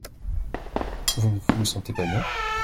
Vous ne vous sentez pas bien ?